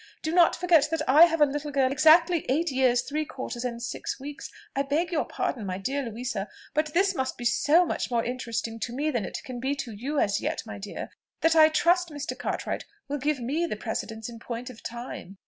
Do not forget that I have a little girl exactly eight years three quarters and six weeks. I beg your pardon, my dear Louisa, but this must be so much more interesting to me than it can be to you as yet, my dear, that I trust Mr. Cartwright will give me the precedence in point of time.